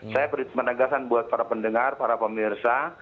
saya beri penegasan buat para pendengar para pemirsa